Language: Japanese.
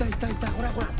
ほらほら。